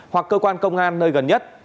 hoặc cơ quan công an nơi gần nhất